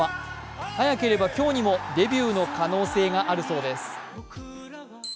早ければ今日にもデビューの可能性があるそうです。